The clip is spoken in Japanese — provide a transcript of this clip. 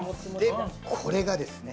でこれがですね